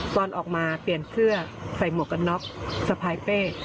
ตอนออกมาเปลี่ยนเสื้อใส่หมวกกันน็อกสะพายเป้